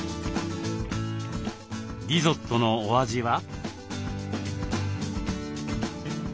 リゾットのお味は？